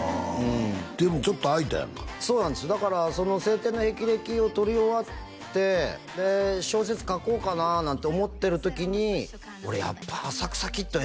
でもちょっとあいたやんかそうなんですだから「青天の霹靂」を撮り終わってで小説書こうかななんて思ってる時に俺やっぱ「浅草キッド」